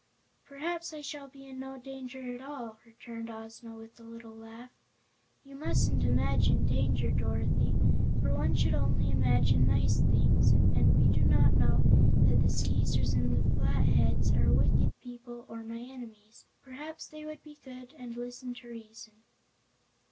"Perhaps I shall be in no danger at all," returned Ozma, with a little laugh. "You mustn't imagine danger, Dorothy, for one should only imagine nice things, and we do not know that the Skeezers and Flatheads are wicked people or my enemies. Perhaps they would be good and listen to reason."